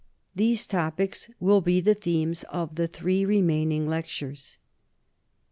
These topics will be the themes of the three remaining lectures.